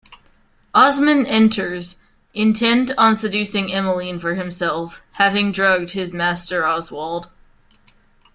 Osmond enters, intent on seducing Emmeline for himself, having drugged his master Oswald.